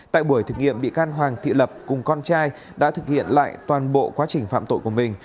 tại buổi thực nghiệm bị can hoàng thị lập cùng con trai đã thực hiện lại toàn bộ quá trình phạm tội của mình